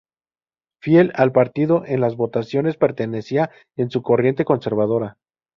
Fiel al partido en las votaciones, pertenecía a su corriente conservadora.